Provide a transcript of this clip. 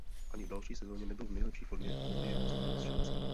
Ani v další sezoně nebyl v nejlepší formě a později nedostával moc šancí.